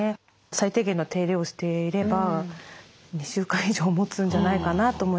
最低限の手入れをしていれば２週間以上もつんじゃないかなと思います。